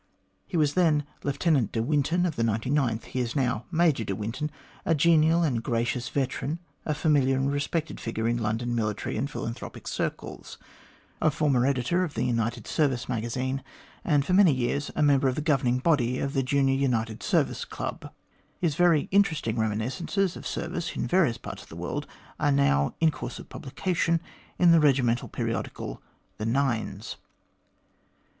He was then Lieutenant de Winton of the 99th ; he is now Major de Winton, a genial and gracious veteran, a familiar and respected figure in London military and philanthropic circles, a former editor of the United Service Magazine, and for many years a member of the governing body of the Junior United Service Club. His very interesting reminis cences of service in various parts of the world are now in course of publication in the regimental periodical, The Nines.